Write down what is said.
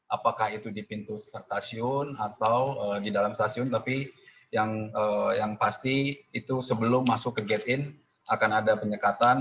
apakah itu di pintu stasiun atau di dalam stasiun tapi yang pasti itu sebelum masuk ke gate in akan ada penyekatan